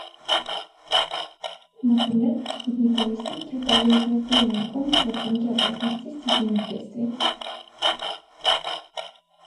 Например, спутниковые снимки оказывают неоценимую помощь в оценке опасности стихийных бедствий.